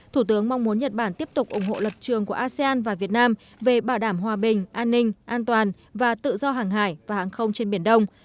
thủ tướng mong muốn nhật bản tiếp tục ủng hộ lập trường của asean và việt nam về bảo đảm hòa bình an ninh an toàn và tự do hàng hải và hàng không trên biển đông